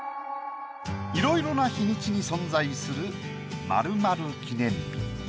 いろいろな日にちに存在する〇〇記念日。